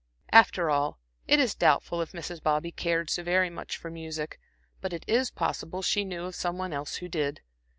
After all, it is doubtful if Mrs. Bobby cared so very much for music; but it is possible she knew of some one else who did.